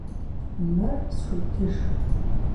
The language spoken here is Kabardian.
Мыр схуетыж!